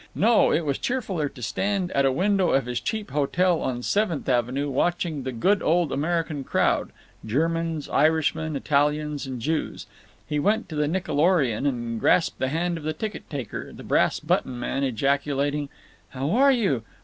No, it was cheerfuler to stand at a window of his cheap hotel on Seventh Avenue, watching the "good old American crowd"—Germans, Irishmen, Italians, and Jews. He went to the Nickelorion and grasped the hand of the ticket taker, the Brass button Man, ejaculating: "How are you?